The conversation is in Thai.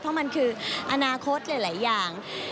เพราะมันคืออนาคตหลายอย่าง